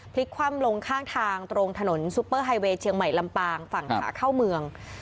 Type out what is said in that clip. คว่ำลงข้างทางตรงถนนซุปเปอร์ไฮเวย์เชียงใหม่ลำปางฝั่งขาเข้าเมือง